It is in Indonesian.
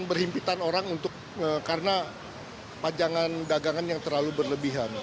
berhimpitan orang untuk karena pajangan dagangan yang terlalu berlebihan